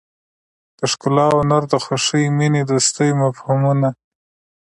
د ښکلا هنر خوښۍ مینې دوستۍ مفهومونه.